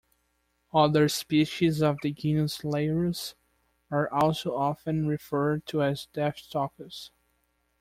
Other species of the genus "Leiurus" are also often referred to as "deathstalkers".